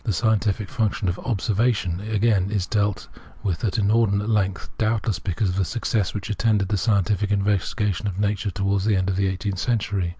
The scientific function of " Observation/' again, is dealt with at an inordinate length, doubtless because of the success which attended the scientific investigation of nature towards the end of the eigh teenth century.